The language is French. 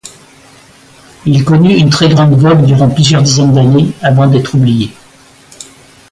Il connut une très grande vogue durant plusieurs dizaines d'années avant d'être oublié.